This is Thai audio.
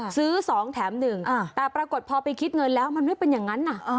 ซื้อ๒แถม๑แต่ปรากฏพอไปคิดเงินแล้วมันไม่เป็นอย่างนั้น